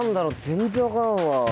全然分からんわ。